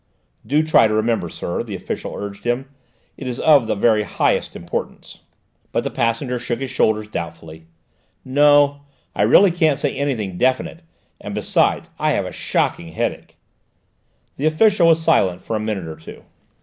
"Do try to remember, sir," the official urged him; "it is of the very highest importance." But the passenger shook his shoulders doubtfully. "No, I really can't say anything definite; and, besides, I have a shocking headache." The official was silent for a minute or two.